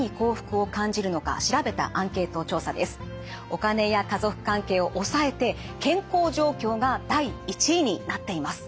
お金や家族関係を抑えて健康状況が第１位になっています。